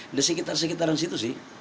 ada sekitar sekitaran situ sih